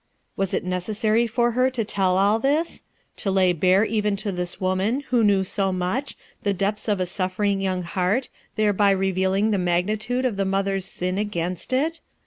Was it necessary for her to tell all this? To lay bare even to this woman, who knew so much, the depths of a suffering young heart, thereby revealing the magnitude of the mother's sin against it